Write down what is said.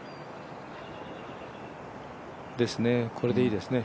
ですね、これでいいですね。